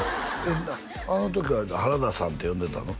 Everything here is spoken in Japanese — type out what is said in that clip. あの時は原田さんって呼んでたの？